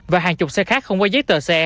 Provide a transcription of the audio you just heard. và hàng chục xe khác không có giấy tờ xe